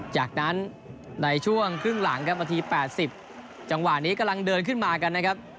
จากนั้นในช่วงครึ่งหลังครับนาที๘๐จังหวะนี้กำลังเดินขึ้นมากันนะครับ